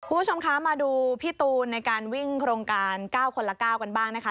คุณผู้ชมคะมาดูพี่ตูนในการวิ่งโครงการ๙คนละ๙กันบ้างนะคะ